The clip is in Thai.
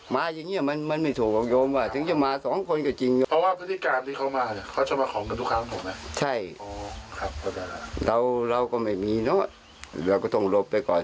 มีเนอะเราก็ต้องหลบไปก่อน